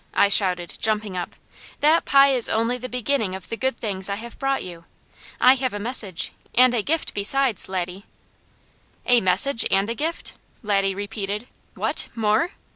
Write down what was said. I shouted, jumping up, "that pie is only the beginning of the good things I have brought you. I have a message, and a gift besides, Laddie!" "A message and a gift?" Laddie repeated. "What! More?"